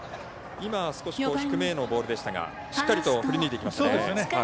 今、低めへのボールでしたがしっかりと振り抜いてきました。